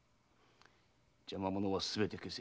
邪魔者はすべて消せ。